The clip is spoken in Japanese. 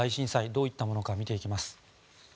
どういったものか見ていきます。